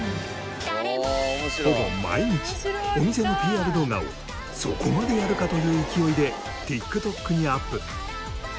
ほぼ毎日お店のＰＲ動画をそこまでやるかという勢いでＴｉｋＴｏｋにアップ。